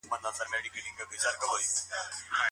که میندې خواښې شي نو کور به نه ورانیږي.